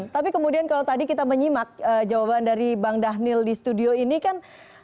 tapi kemudian kalau tadi kita menyimak jawaban dari bang dhanil di studio ini kan